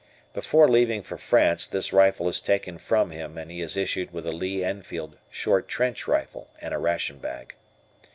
Before leaving for France, this rifle is taken from him and he is issued with a Lee Enfield short trench rifle and a ration bag.